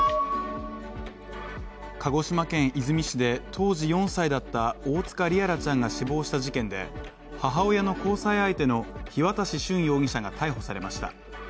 鹿児島県出水市で、当時４歳だった大塚璃愛來ちゃんが死亡した事件で母親の交際相手の日渡駿容疑者が逮捕されました。